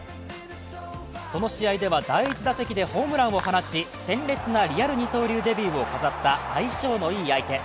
その試合では第１打席でホームランを放ち鮮烈なリアル二刀流デビューを飾った相性のいい相手。